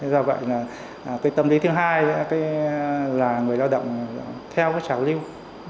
do vậy tâm lý thứ hai là người lao động theo trả lưu